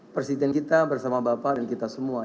presiden kita bersama bapak dan kita semua